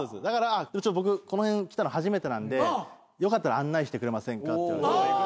だから僕この辺来たの初めてなんでよかったら案内してくれませんかって。